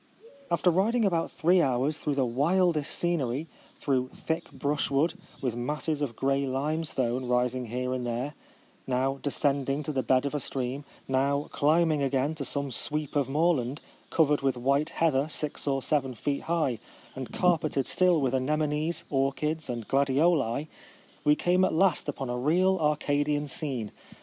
After riding about three hours through the wildest scenery, through thick brushwood, with masses of grey limestone rising here and there — now descending to the bed of a stream, now climbing again to some sweep of moorland, covered with white heather six or seven feet high, and carpeted still with anem ones, orchids, and gladioli — we came at last upon a real Arca dian scene.